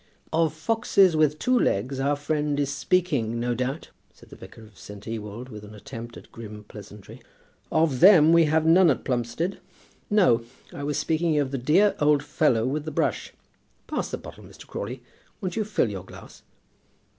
"Of foxes with two legs our friend is speaking, without doubt," said the vicar of St. Ewolds, with an attempt at grim pleasantry. "Of them we have none at Plumstead. No, I was speaking of the dear old fellow with the brush. Pass the bottle, Mr. Crawley. Won't you fill your glass?"